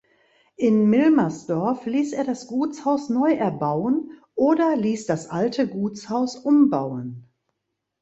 In Milmersdorf ließ er das Gutshaus neu erbauen oder ließ das alte Gutshaus umbauen.